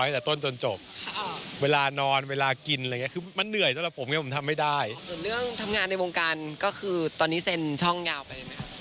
ส่วนเรื่องทำงานในวงการก็คือตอนนี้เซ็นช่องยาวไปได้มั้ยครับ